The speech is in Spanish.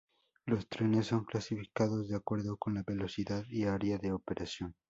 Los trenes son clasificados de acuerdo con la velocidad y área de operación.